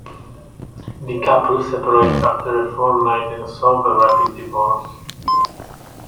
The couple separated after a fortnight, and sought a rapid divorce.